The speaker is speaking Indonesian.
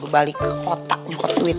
balik ke otak nyokap duit